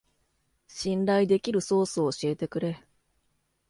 信頼できるソースを教えてくれ